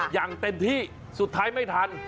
อย่างเต็มที่สุดท้ายไม่ทัน